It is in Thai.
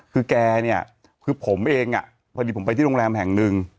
คือแกเนี่ยคือผมเองพอดีผมไปที่โรงแรมแห่งหนึ่ง